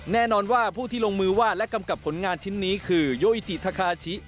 แน่นอนว่าผู้ที่ลงมือวาดและกำกับผลงานชิ้นนี้คือโยอิจิทะคาชิ